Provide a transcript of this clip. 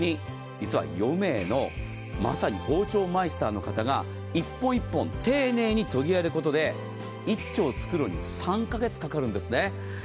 実は４名のまさに包丁マイスターの方が１本１本丁寧に研ぐことで１丁作るのに３か月かかるんですね。